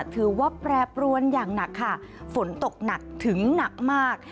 ถือว่าแปรปรวนอย่างหนักค่ะฝนตกหนักถึงหนักมาก